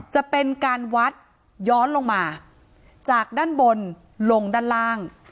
จะเป็นการวัดย้อนลงมาจากด้านบนลงด้านล่าง